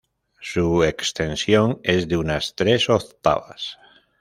Su extensión es de unas tres octavas.